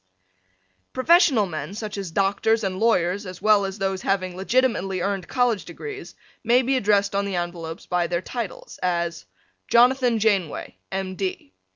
Professional men such as doctors and lawyers as well as those having legitimately earned College Degrees may be addressed on the envelopes by their titles, as Jonathan Janeway, M. D.